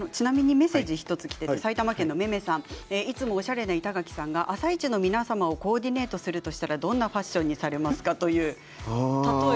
埼玉県の方いつもおしゃれな板垣さんが「あさイチ」の皆様をコーディネートするとしたらどんなファッションにされますか？